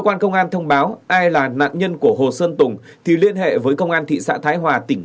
cơ quan công an thông báo ai là nạn nhân của hồ sơn tùng thì liên hệ với công an thị xã thái hòa tỉnh